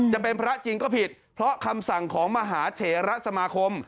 จะเป็นพระจริงก็ผิดเพราะคำสั่งของมหาเถระสมาคม